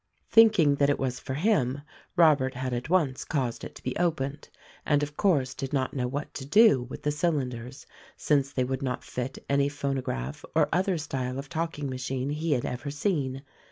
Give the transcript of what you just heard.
Thinking that it was for him Robert had at once caused it to be opened, and of course did not know what to do with the cylinders since they would not fit any phonograph or other style of talking machine he had ever seen.